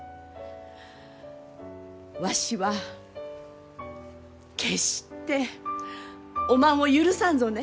わしは決しておまんを許さんぞね。